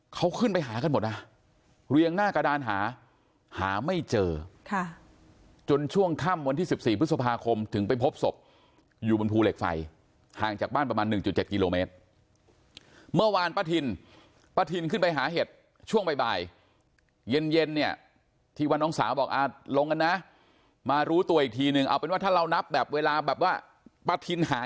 เขาขึ้นไปหากันหมดนะเรียงหน้ากระดานหาหาไม่เจอจนช่วงค่ำวันที่๑๔พฤษภาคมถึงไปพบศพอยู่บนภูเหล็กไฟห่างจากบ้านประมาณ๑๗กิโลเมตรเมื่อวานป้าทินป้าทินขึ้นไปหาเห็ดช่วงบ่ายเย็นเย็นเนี่ยที่ว่าน้องสาวบอกลงกันนะมารู้ตัวอีกทีนึงเอาเป็นว่าถ้าเรานับแบบเวลาแบบว่าป้าทินหา